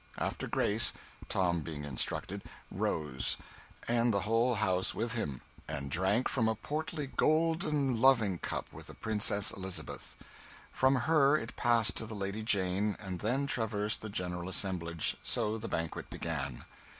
After grace, Tom (being instructed) rose and the whole house with him and drank from a portly golden loving cup with the Princess Elizabeth; from her it passed to the Lady Jane, and then traversed the general assemblage. So the banquet began.